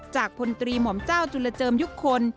พลตรีหม่อมเจ้าจุลเจิมยุคคล